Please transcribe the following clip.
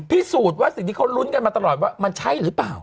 พิสูจน์ว่าสิ่งที่เขาลุ้นกันมาตลอดว่ามันใช่หรือเปล่า